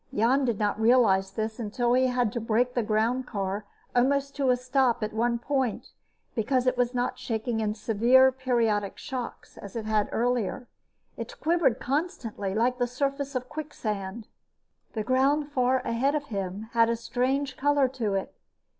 Jan did not realize this until he had to brake the groundcar almost to a stop at one point, because it was not shaking in severe, periodic shocks as it had earlier. It quivered constantly, like the surface of quicksand. The ground far ahead of him had a strange color to it.